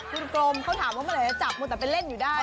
คุณกรมเขาถามว่าเมื่อไหร่จะจับมือแต่ไปเล่นอยู่ได้